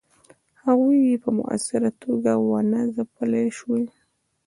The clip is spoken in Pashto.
هغوی یې په موثره توګه ونه ځپلای سوای.